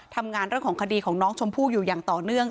ทำงานเรื่องของคดีของน้องชมพู่อยู่อย่างต่อเนื่อง